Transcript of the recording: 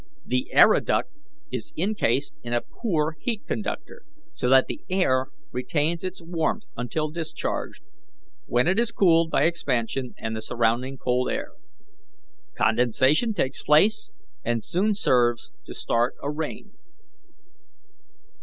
The aeriduct is incased in a poor heat conductor, so that the air retains its warmth until discharged, when it is cooled by expansion and the surrounding cold air. Condensation takes place and soon serves to start a rain.